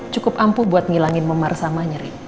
cukup ampuh buat ngilangin memarah sama nyering